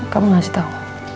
kamu gak kasih tau